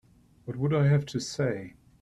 What would I have to say?